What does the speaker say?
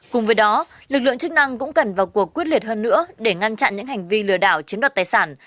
cùng với đó lực lượng chức năng cũng cần vào cuộc quyết liệt hơn nữa để ngăn chặn những hành vi lừa đảo chiếm đoạt tài sản